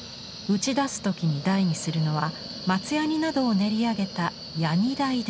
打ち出す時に台にするのは松ヤニなどを練り上げた「ヤニ台」です。